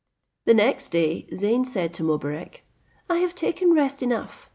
The next day Zeyn said to Mobarec, "I have taken rest enough.